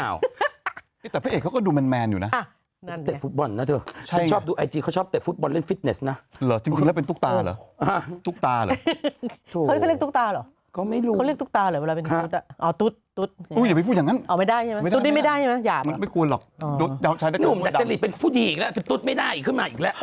อ่านายเธอบอกเธอไม่รู้ข่าวเดี๋ยวแต่